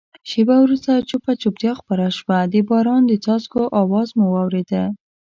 شېبه وروسته چوپه چوپتیا خپره شوه، د باران د څاڅکو آواز مو اورېده.